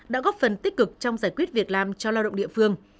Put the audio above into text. đã góp phần tích cực trong giải quyết việc làm cho lao động địa phương